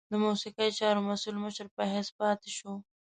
د موسیقي چارو مسؤل مشر په حیث پاته شو.